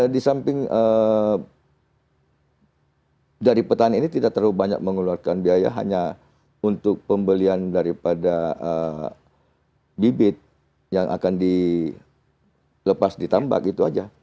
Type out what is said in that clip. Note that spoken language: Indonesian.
di samping dari petani ini tidak terlalu banyak mengeluarkan biaya hanya untuk pembelian daripada bibit yang akan dilepas ditambak itu aja